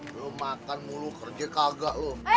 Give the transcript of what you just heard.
lo makan mulu kerja kagak lo